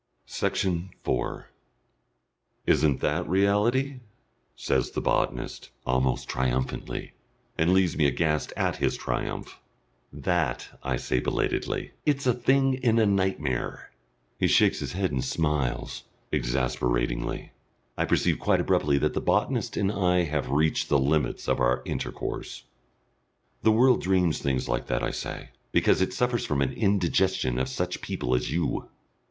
Section 4 "Isn't that reality?" says the botanist, almost triumphantly, and leaves me aghast at his triumph. "That!" I say belatedly. "It's a thing in a nightmare!" He shakes his head and smiles exasperatingly. I perceive quite abruptly that the botanist and I have reached the limits of our intercourse. "The world dreams things like that," I say, "because it suffers from an indigestion of such people as you."